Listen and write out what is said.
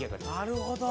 なるほど！